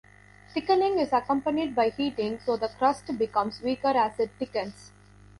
Thickening is accompanied by heating, so the crust becomes weaker as it thickens.